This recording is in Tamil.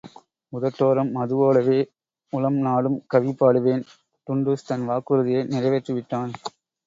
உதட்டோரம் மதுவோடவே உளம் நாடும் கவி பாடுவேன் டுன்டுஷ் தன் வாக்குறுதியை நிறைவேற்றி விட்டான்.